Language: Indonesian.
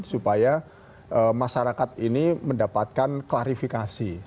supaya masyarakat ini mendapatkan klarifikasi